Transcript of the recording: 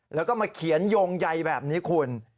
แล้วก็มาเขียนโยงใยแบบนี้คุณ